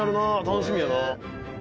楽しみやな」